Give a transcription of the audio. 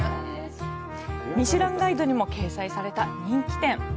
ミシュランガイドにも掲載された人気店。